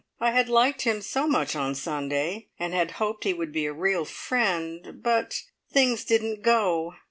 I had liked him so much on Sunday, and had hoped he would be a real friend; but things didn't go!